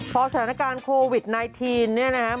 พอสถานการณ์โควิด๑๙เนี่ยนะครับ